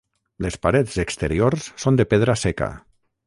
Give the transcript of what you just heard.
Les parets exteriors són de pedra seca.